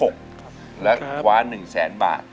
กว่า๑๐๐๐๐๐๐บาท